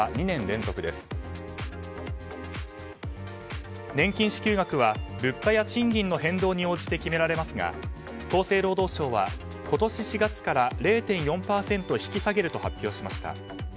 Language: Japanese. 年金支給額は物価や賃金の変動に応じて決められますが、厚生労働省は今年４月から０．４％引き下げると発表しました。